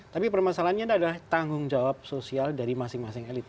tapi permasalahannya adalah tanggung jawab sosial dari masing masing elit